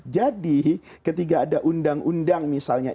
jadi ketika ada undang undang misalnya